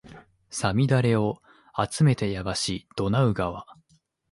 五月雨をあつめてやばしドナウ川